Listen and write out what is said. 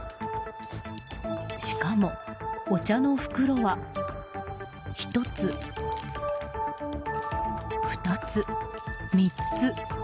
しかも、お茶の袋は１つ、２つ、３つ。